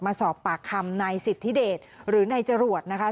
มาสอบปากคำนายสิทธิเดชหรือนายจรวดนะคะ